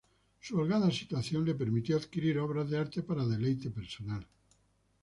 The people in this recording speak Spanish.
Su holgada situación le permitió adquirir obras de arte para deleite personal.